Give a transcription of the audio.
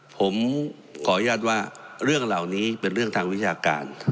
ผมขออนุญาตว่าเรื่องเหล่านี้เป็นเรื่องทางวิชาการ